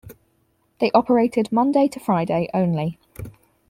They operated Monday to Friday only.